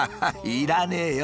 いらねえよ。